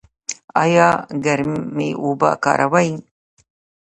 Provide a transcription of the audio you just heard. ایا ګرمې اوبه کاروئ؟